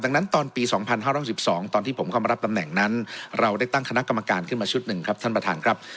ดังนั้นตอนปี๒๕๖๒ตอนที่ผมเข้ามารับตำแหน่งนั้นเราได้ตั้งคณะกรรมการขึ้นมาชุดหนึ่งครับท่านประธานครับ